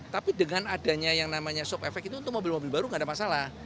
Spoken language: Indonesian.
tapi dengan adanya yang namanya soft efek itu untuk mobil mobil baru nggak ada masalah